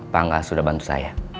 pak angga sudah bantu saya